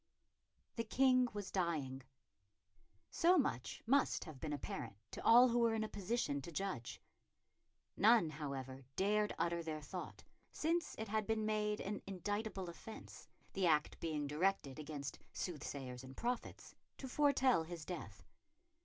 The King was dying. So much must have been apparent to all who were in a position to judge. None, however, dared utter their thought, since it had been made an indictable offence the act being directed against soothsayers and prophets to foretell his death.